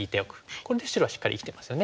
これで白はしっかり生きてますよね。